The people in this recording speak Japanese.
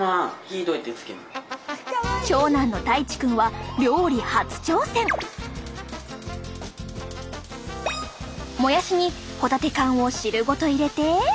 長男のたいち君はもやしにホタテ缶を汁ごと入れて。